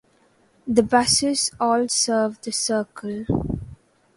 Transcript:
The buses all serve the circle.